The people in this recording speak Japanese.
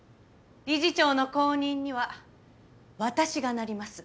理事長の後任には私がなります。